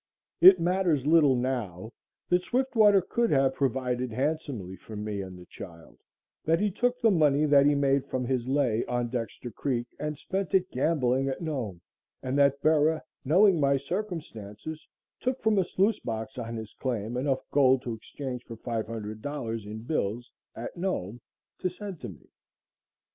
It matters little now that Swiftwater could have provided handsomely for me and the child that he took the money that he made from his lay on Dexter Creek and spent it gambling at Nome; and that Bera, knowing my circumstances, took from a sluice box on his claim enough gold to exchange for $500 in bills at Nome, to send to me.